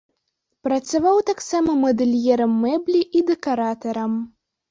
Працаваў таксама мадэльерам мэблі і дэкаратарам.